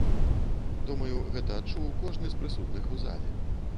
Думаю, гэта адчуў кожны з прысутных у зале.